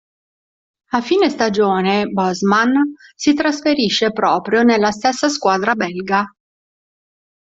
A fine stagione Bosman si trasferisce proprio nella stessa squadra belga.